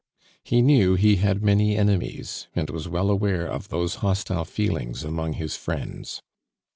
He knew that he had many enemies, and was well aware of those hostile feelings among his friends.